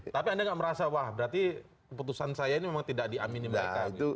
tapi anda tidak merasa wah berarti keputusan saya ini memang tidak diaminin mereka